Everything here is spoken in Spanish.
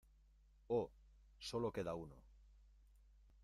¡ Oh! Sólo queda uno.